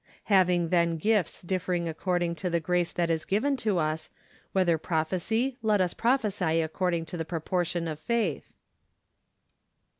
" Having then gifts differing according to the. grace that is given to us, whether prophecy , let us prophesy according to the proportion of faith."